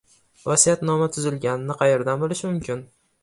Vasiyatnoma tuzilganini qaerdan bilish mumkin?